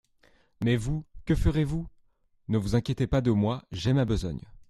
Mais vous, que ferez-vous ? Ne vous inquiétez pas de moi ; j'ai ma besogne.